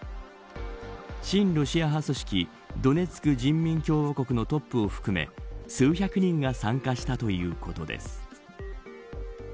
親ロシア派組織ドネツク人民共和国のトップを含め数百人が参加したということです。